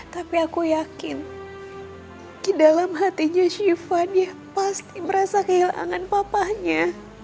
tapi aku yakin di dalam hatinya syivan ya pasti merasa kehilangan papanya